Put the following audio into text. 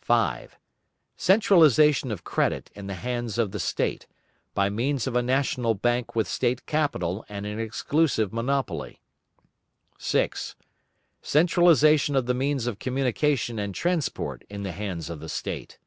5. Centralisation of credit in the hands of the State, by means of a national bank with State capital and an exclusive monopoly. 6. Centralisation of the means of communication and transport in the hands of the State.